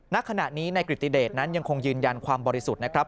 ณขณะนี้ในกริติเดชนั้นยังคงยืนยันความบริสุทธิ์นะครับ